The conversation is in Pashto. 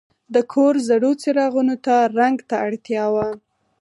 د کور زړو څراغونو ته رنګ ته اړتیا وه.